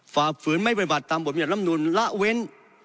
ฝ่าฝืนไม่เป็นบัตรตามบทมิจรรย์ลำนุลละเว้น